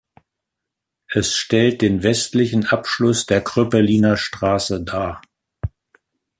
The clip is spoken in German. Es stellt den westlichen Abschluss der Kröpeliner Straße dar.